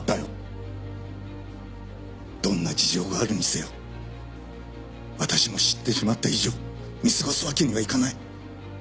どんな事情があるにせよ私も知ってしまった以上見過ごすわけにはいかない。